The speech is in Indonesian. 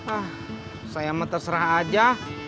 ah saya mau terserah aja